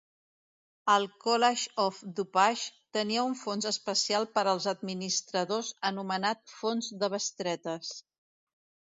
El College of DuPage tenia un fons especial per als administradors anomenat fons de bestretes.